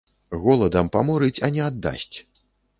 Голадам паморыць, а не аддасць.